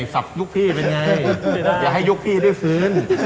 ลูกพี่เป็นไงอย่าให้ยุคพี่ได้ฟื้น